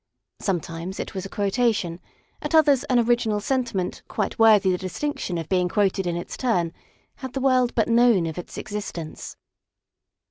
Sometimes it was a quotation ; at others an original sentiment quite worthy the distinction of being quoted in its turn had the world but known of its existence.